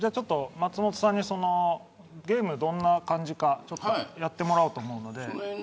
松本さんにゲームがどんな感じかやってもらおうと思うので。